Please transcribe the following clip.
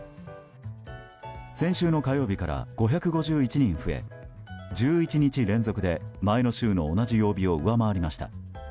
先週の火曜日から５５１人増え１１日連続で前の週の同じ曜日を上回りました。